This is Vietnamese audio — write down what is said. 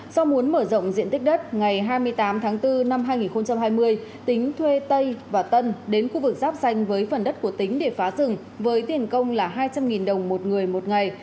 do muốn mở rộng diện tích đất ngày hai mươi tám tháng bốn năm hai nghìn hai mươi tính thuê tây và tân đến khu vực giáp xanh với phần đất của tính để phá rừng với tiền công là hai trăm linh đồng một người một ngày